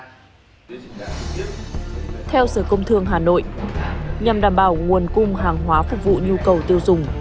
theo sở công thương hà nội nhằm đảm bảo nguồn cung hàng hóa phục vụ nhu cầu tiêu dùng